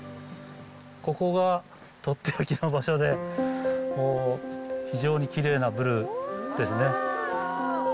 ここが取って置きの場所で、もう非常にきれいなブルーですね。